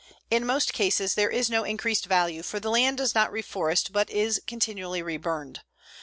In most cases there is no increased value, for the land does not reforest but is continually reburned.